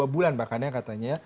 dua bulan bahkan katanya